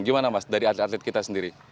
gimana mas dari atlet atlet kita sendiri